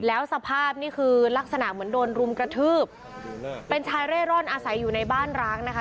แล้วสภาพนี่คือลักษณะเหมือนโดนรุมกระทืบเป็นชายเร่ร่อนอาศัยอยู่ในบ้านร้างนะคะ